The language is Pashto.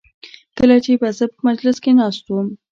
کله چې به زه په مجلس کې ناست وم.